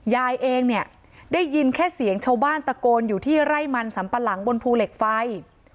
ยายเองเนี่ยได้ยินแค่เสียงชาวบ้านตะโกนอยู่ที่ไร่มันสัมปะหลังบนภูเหล็กไฟ